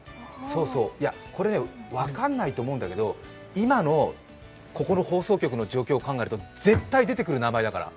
これね分からないと思うんだけど今のここの放送局の状況考えると絶対出てくる名前だから。